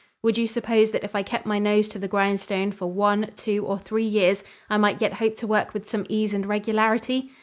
Would you suppose that if I kept my nose to the grindstone for one, two or three years, I might yet hope to work with some ease and regularity?